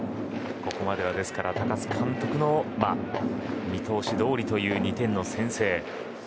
ここまでは高津監督の見通しどおりという２点の先制。